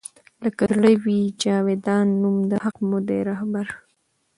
لــــــــــکه زړه وي جـــاویــــدان نــــوم د حــــق مو دی رهـــــــــبر